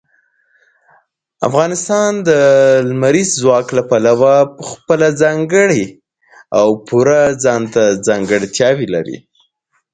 افغانستان د لمریز ځواک له پلوه خپله ځانګړې او پوره ځانته ځانګړتیاوې لري.